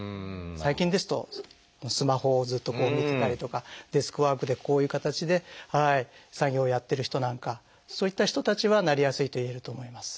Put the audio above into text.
最近ですとスマホをずっと見てたりとかデスクワークでこういう形で作業をやってる人なんかはそういった人たちはなりやすいといえると思います。